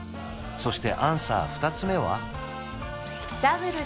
そしてアンサー２つ目は？